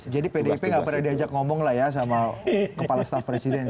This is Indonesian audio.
jadi pdip gak pernah diajak ngomong lah ya sama kepala staf presiden